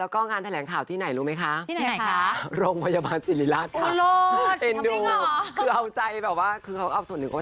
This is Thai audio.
การที่ต้องมาโชว์แต่ละครั้ง